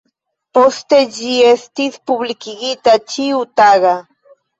Poste ĝi estis publikigata ĉiutaga.